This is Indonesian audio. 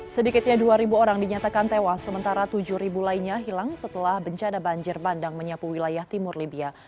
sedikitnya dua orang dinyatakan tewas sementara tujuh lainnya hilang setelah bencana banjir bandang menyapu wilayah timur libya